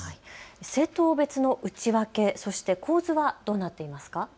政党別の内訳、そして構図はどうなっていますか。